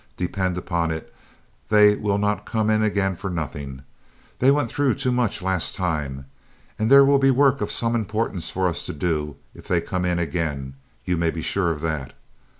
Depend upon it they will not come in again for nothing. They went through too much last time, and there will be work of some importance for us all to do if they come in again, you may be sure of that.